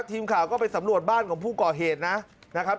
ทีมข่าวก็ไปสำรวจบ้านของผู้ก่อเหตุนะครับ